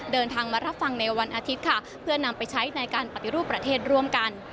เดินทางมารับฟังในวันอาทิตย์ค่ะเพื่อนำไปใช้ในการปฏิรูปประเทศร่วมกัน